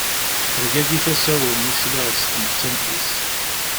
Tergagi tasa-w mi sliɣ s tmettant-is.